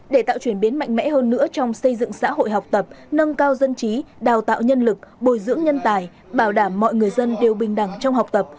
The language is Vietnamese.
để tạo chuyển biến mạnh mẽ hơn nữa trong xây dựng xã hội học tập nâng cao dân trí đào tạo nhân lực bồi dưỡng nhân tài bảo đảm mọi người dân đều bình đẳng trong học tập